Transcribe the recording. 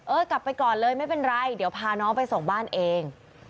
กลับไปก่อนเลยไม่เป็นไรเดี๋ยวพาน้องไปส่งบ้านเอง